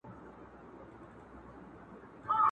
په شا کړی یې رنځور پلار لکه مړی!.